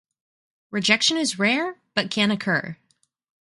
Rejection is rare, but can occur.